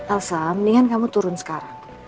alsam mendingan kamu turun sekarang